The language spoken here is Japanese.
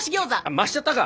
増しちゃったか。